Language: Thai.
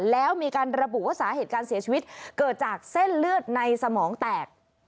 แล้วมีการระบุว่าสาเหตุการเสียชีวิตเกิดจากเส้นเลือดในสมองแตก